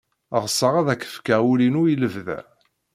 Ɣseɣ ad ak-fkeɣ ul-inu i lebda.